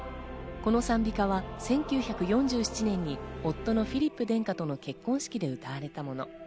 この賛美歌は１９４７年に夫のフィリップ殿下との結婚式で歌われたもの。